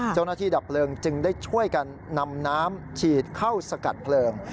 เจ้าหน้าที่ดับเฟลงจึงได้ช่วยกันนำน้ำฉีดเข้าสกัดเฟลง